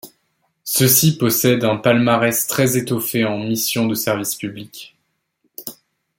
Ceux-ci possèdent un palmarès très étoffé en missions de service public.